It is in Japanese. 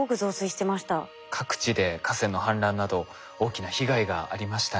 各地で河川の氾濫など大きな被害がありましたね。